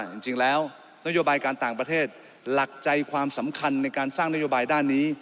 จริงแล้วนโยบายการต่างประเทศหลักใจความสำคัญในการสร้างนโยบายด้านนี้